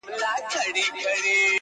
وخت سره زر دي او ته باید زرګر اوسي-